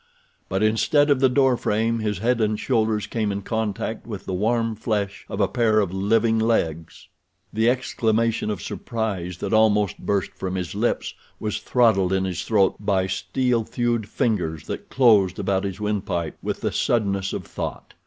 But instead of the door frame his head and shoulders came in contact with the warm flesh of a pair of living legs. The exclamation of surprise that almost burst from his lips was throttled in his throat by steel thewed fingers that closed about his windpipe with the suddenness of thought.